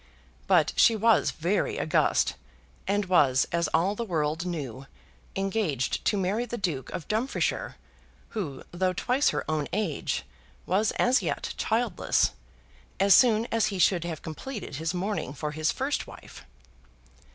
But she was very august, and was, as all the world knew, engaged to marry the Duke of Dumfriesshire, who, though twice her own age, was as yet childless, as soon as he should have completed his mourning for his first wife.